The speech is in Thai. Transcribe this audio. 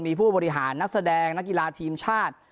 มีผู้บริหารนักแสดงนักกีฬาทีมชาติ